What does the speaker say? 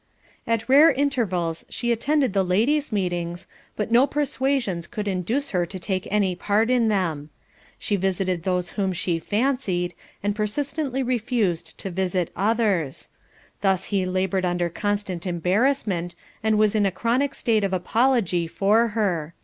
At rare intervals she attended the ladies' meetings, but no persuasions could induce her to take any part in them. She visited those whom she fancied, and persistently refused to visit others; thus he laboured under constant embarrassment, and was in a chronic state of apology for her.